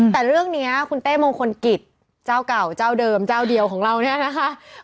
แต่เรื่องนี้คุณเต้มงคลกิจเจ้าเก่าเจ้าเดิมเจ้าเดียวของเราเนี่ยนะคะ